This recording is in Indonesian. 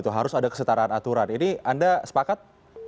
harus ada kesetaraan aturan ini anda sepakat